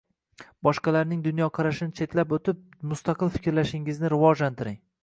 Boshqalarning dunyoqarashini chetlab o’tib, mustaqil fikrlashingizni rivojlantiring